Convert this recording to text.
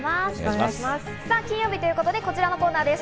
金曜日ということで、こちらのコーナーです。